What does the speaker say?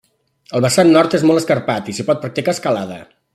El vessant nord és molt escarpat i s'hi pot practicar escalada.